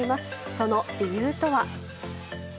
その理由とは？